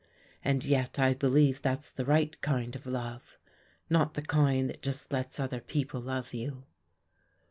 And yet I believe that's the right kind of love, not the kind that just lets other people love you.